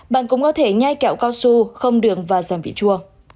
bạn cũng có thể nhai kẹo cao su không đường và giảm vị chua